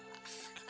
tapi ada syaratnya